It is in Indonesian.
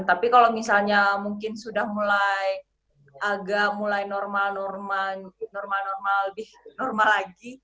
tapi kalau misalnya mungkin sudah mulai agak mulai normal normal lebih normal lagi